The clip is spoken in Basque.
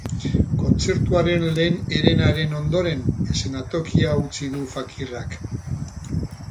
Kontzertuaren lehen herenaren ondoren eszenatokia utzi du Fakirrak.